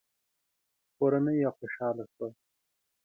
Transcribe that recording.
کورنۍ يې خوشاله شوه.